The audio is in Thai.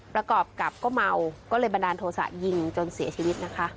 ประกอบกับก็เมาก็เลยบันดาลโทษะยิงจนเสียชีวิตนะคะ